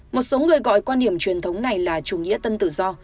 một số người gọi quan điểm truyền thống này là chủ nghĩa tân tự do